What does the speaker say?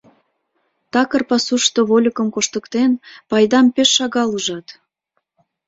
Такыр пасушто вольыкым коштыктен, пайдам пеш шагал ужат.